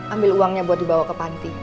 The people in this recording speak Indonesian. ambil uangnya buat dibawa ke panti